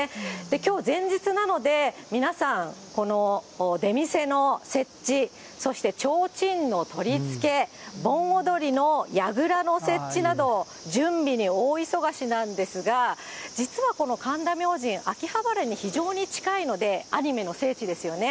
きょう、前日なので、皆さん出店の設置、そして提灯の取りつけ、盆踊りのやぐらの設置など、準備に大忙しなんですが、実はこの神田明神、秋葉原に非常に近いので、アニメの聖地ですよね。